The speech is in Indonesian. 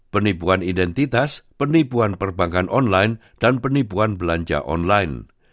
penipuan identitas penipuan perbankan online dan penipuan belanja online